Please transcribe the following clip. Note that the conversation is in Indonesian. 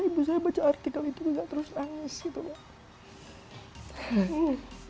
ibu saya baca artikel itu bisa terus nangis gitu loh